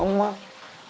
aku masih gak sabar